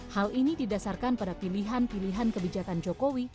hal ini didasarkan pada pilihan pilihan kebijakan jokowi